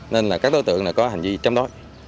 nên là các tối tượng có hành vi chăm đối